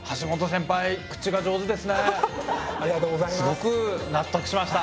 すごく納得しました。